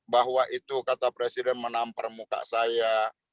bahwa itu kata presiden menampar muka saya